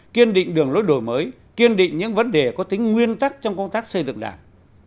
kiên định đường lối đổi mới kiên định những vấn đề có tính nguyên tắc trong công tác xây dựng đảng